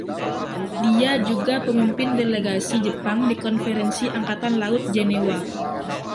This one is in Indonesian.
Dia juga pemimpin delegasi Jepang di Konferensi Angkatan Laut Jenewa.